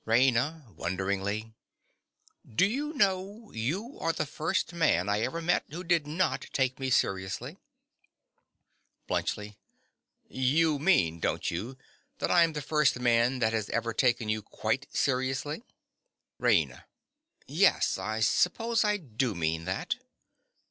RAINA. (wonderingly). Do you know, you are the first man I ever met who did not take me seriously? BLUNTSCHLI. You mean, don't you, that I am the first man that has ever taken you quite seriously? RAINA. Yes, I suppose I do mean that.